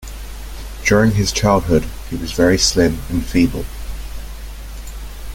During his childhood he was very slim and feeble.